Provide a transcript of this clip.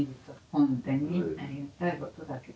本当にありがたいことだけど。